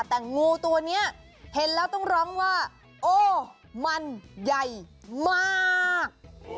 แต่งูตัวนี้เห็นแล้วต้องร้องว่าโอ้มันใหญ่มาก